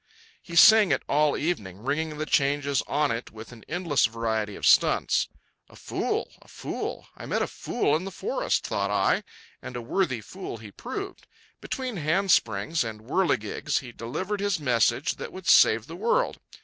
He sang it all evening, ringing the changes on it with an endless variety of stunts. "A fool! a fool! I met a fool in the forest!" thought I, and a worthy fool he proved. Between handsprings and whirligigs he delivered his message that would save the world.